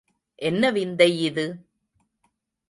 என்ன விந்தை இது?